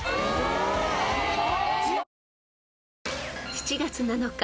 ［７月７日